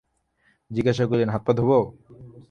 জিজ্ঞাসা করিলেন, হাত-পা ধোবে?